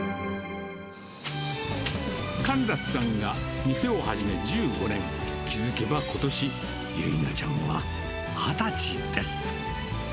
カンラスさんが店を始め１５年、気付けばことし、由奈ちゃんは２０歳です。